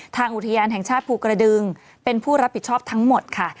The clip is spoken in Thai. อุทยานแห่งชาติภูกระดึงเป็นผู้รับผิดชอบทั้งหมดค่ะ